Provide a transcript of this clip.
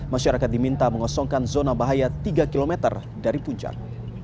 masyarakat diminta mengosongkan zona bahaya tiga km dari puncak